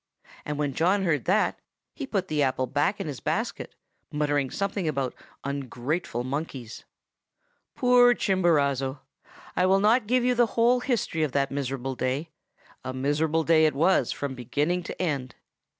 And when John heard that he put the apple back in his basket, muttering something about ungrateful monkeys. "Poor Chimborazo! I will not give the whole history of that miserable day,—a miserable day it was from beginning to end.